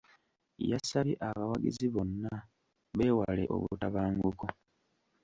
Yasabye abawagizi bonna beewaale obutabanguko.